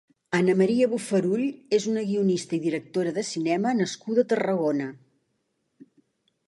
Anna Maria Bofarull és una guionista i directora de cinema nascuda a Tarragona.